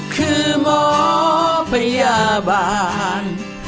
คือหมอพยาบาล